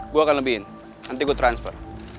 gue akan lebihin nanti gue transfer